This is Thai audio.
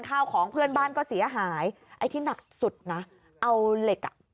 ข้าวของเพื่อนบ้านก็เสียหายไอ้ที่หนักสุดนะเอาเหล็กอ่ะ